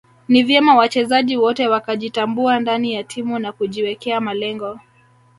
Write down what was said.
Ni vyema wachezaji wote wakajitambua ndani ya timu na kujiwekea malengo